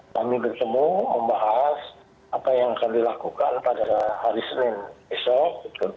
kami bertemu membahas apa yang akan dilakukan pada hari senin besok